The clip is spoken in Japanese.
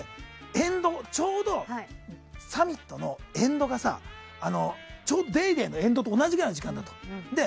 ちょうどサミットのエンドがさ「ＤａｙＤａｙ．」のエンドと同じくらいの時間だったの。